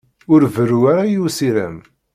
Ur berru ara i usirem.